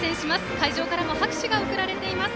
会場からも拍手が送られています。